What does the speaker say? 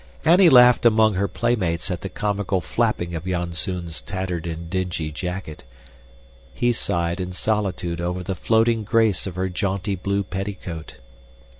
Annie laughed among her playmates at the comical flapping of Janzoon's tattered and dingy jacket; he sighed in solitude over the floating grace of her jaunty blue petticoat.